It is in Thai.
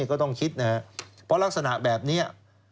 ก็ต้องคิดนะครับเพราะลักษณะแบบนี้